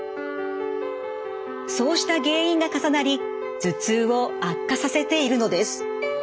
そうした原因が重なり頭痛を悪化させているのです。